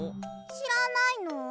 しらないの？